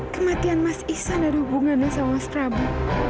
kematian mas ihsan ada hubungannya sama mas prabu